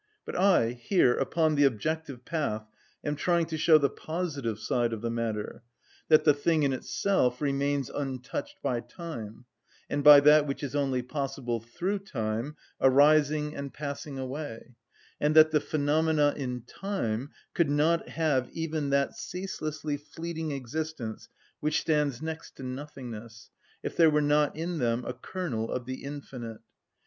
But I, here upon the objective path, am trying to show the positive side of the matter, that the thing in itself remains untouched by time, and by that which is only possible through time, arising and passing away, and that the phenomena in time could not have even that ceaselessly fleeting existence which stands next to nothingness, if there were not in them a kernel of the infinite.